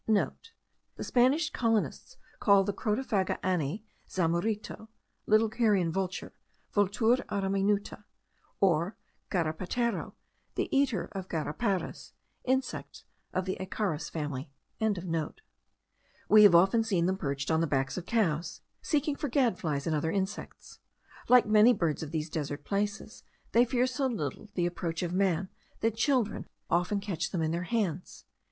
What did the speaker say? (* The Spanish colonists call the Crotophaga ani, zamurito (little carrion vulture Vultur aura minuta), or garapatero, the eater of garaparas, insects of the Acarus family.) We had often seen them perched on the backs of cows, seeking for gadflies and other insects. Like many birds of these desert places, they fear so little the approach of man, that children often catch them in their hands.